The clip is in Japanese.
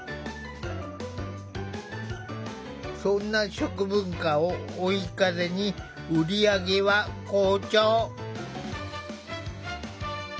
そんな食文化を追い風に売り上げは好調！